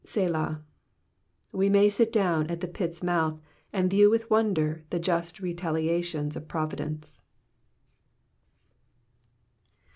'^Selah.'*^ We may sit down at the pit's mouth and view with wonder the just retaliations of providence.